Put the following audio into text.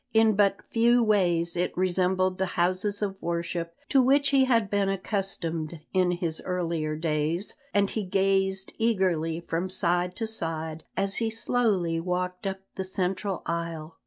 In but few ways it resembled the houses of worship to which he had been accustomed in his earlier days, and he gazed eagerly from side to side as he slowly walked up the central aisle.